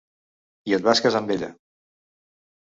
I et vas casar amb ella.